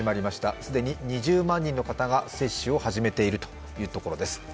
既に２０万人の方が接種を始めているということです。